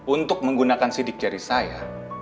untuk menggunakan sidik jari saya